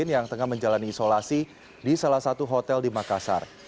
yang tengah menjalani isolasi di salah satu hotel di makassar